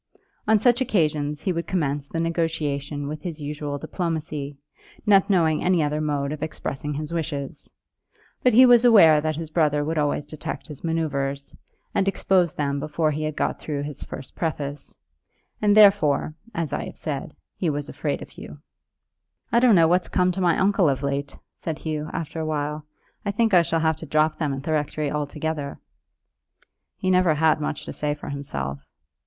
On such occasions he would commence the negotiation with his usual diplomacy, not knowing any other mode of expressing his wishes; but he was aware that his brother would always detect his manoeuvres, and expose them before he had got through his first preface; and, therefore, as I have said, he was afraid of Hugh. "I don't know what's come to my uncle of late," said Hugh, after a while. "I think I shall have to drop them at the rectory altogether." "He never had much to say for himself."